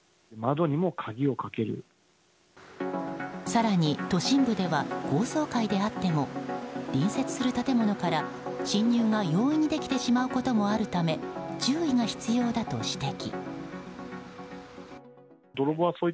更に都心部では高層階であっても隣接する建物から侵入が容易でできてしまうこともあるため注意が必要だと指摘。